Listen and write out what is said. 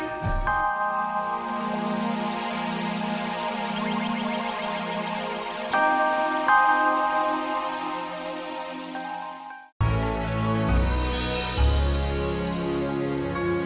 mungkin bukan iksan